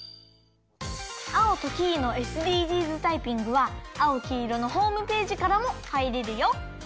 「アオとキイのＳＤＧｓタイピング」は「あおきいろ」のホームページからもはいれるよ。